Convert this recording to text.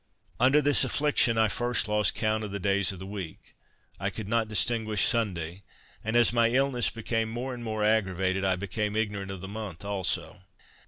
Under this affliction I first lost count of the days of the week; I could not distinguish Sunday, and, as my illness became more aggravated, I became ignorant of the month also.